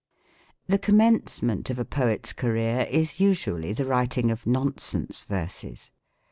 The commencement of a poet's career is usually the writing of nonsense verses.